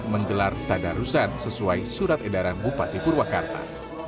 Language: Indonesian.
menggelar tadarusan sesuai surat edaran bupati purwakarta